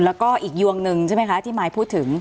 แล้วก็อีกยวงหนึ่งใช่ไหมคะที่มายพูดถึง